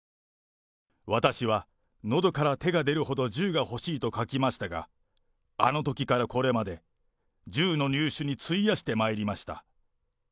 私は喉から手が出るほど銃が欲しいと書きましたが、あのときからこれまで、銃の入手に費やしてまいりました。